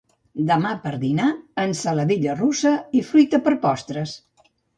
Demà per dinar ensaladilla russa i fruita per postres